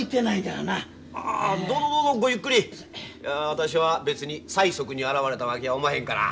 私は別に催促に現れたわけやおまへんから。